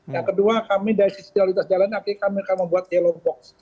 yang kedua kami dari sisi realitas jalan ini kami akan membuat yellow box